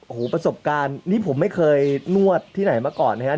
โอ้โหประสบการณ์นี่ผมไม่เคยนวดที่ไหนมาก่อนนะครับ